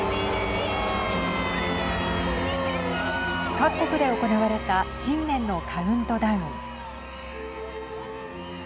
各国で行われた新年のカウントダウン。